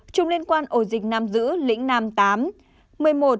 một mươi chùm liên quan ổ dịch nam dữ lĩnh nam tám